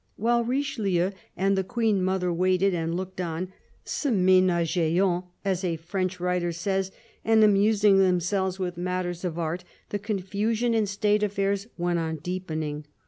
While Richelieu and the Queen mother waited and looked on, se menageant, as a French writer says, and amusing themselves with matters of art, the confusion in State affairs went on deepening.